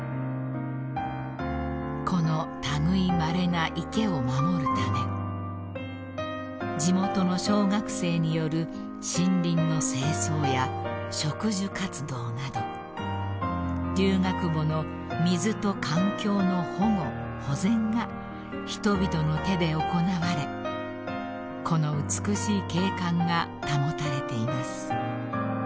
［この類いまれな池を守るため地元の小学生による森林の清掃や植樹活動など龍ヶ窪の水と環境の保護・保全が人々の手で行われこの美しい景観が保たれています］